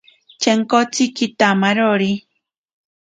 Chenkotsi kitamarori.